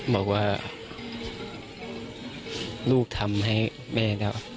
บอกว่าลูกทำให้แม่แล้ว